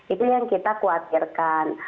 itu yang kita khawatirkan